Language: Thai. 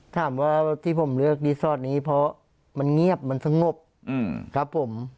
ถามว่าที่ผมเลือกรีสอร์ทนี้เพราะมันเงียบมันสงบครับผม